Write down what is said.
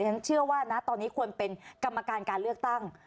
ฉันเชื่อว่านะตอนนี้ควรเป็นกรรมการการเลือกตั้ง